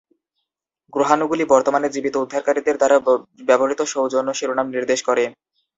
গ্রহাণুগুলি বর্তমানে জীবিত উত্তরাধিকারীদের দ্বারা ব্যবহৃত সৌজন্য শিরোনাম নির্দেশ করে।